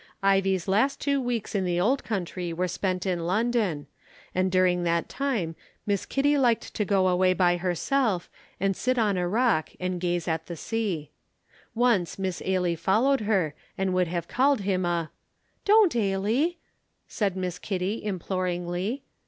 Ivie's last two weeks in the old country were spent in London, and during that time Miss Kitty liked to go away by herself, and sit on a rock and gaze at the sea. Once Miss Ailie followed her and would have called him a "Don't, Ailie!" said Miss Kitty, imploringly.